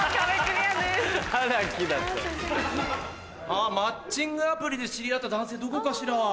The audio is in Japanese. あマッチングアプリで知り合った男性どこかしら？